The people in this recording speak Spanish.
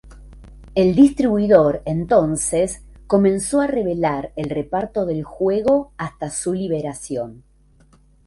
El distribuidor entonces comenzó a revelar el reparto del juego hasta su liberación.